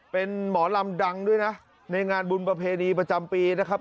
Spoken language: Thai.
เป็นหมอลำดังด้วยนะในงานบุญประเพณีประจำปีนะครับ